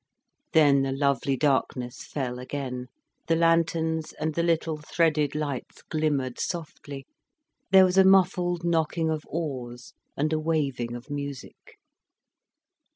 Then the lovely darkness fell again, the lanterns and the little threaded lights glimmered softly, there was a muffled knocking of oars and a waving of music.